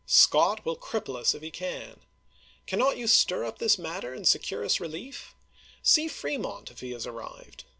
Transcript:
Scott will cripple us if he can. Cannot you stir up this matter and secure us relief 1 See Fremont, if he has arrived.